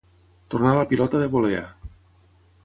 Tornar la pilota de volea.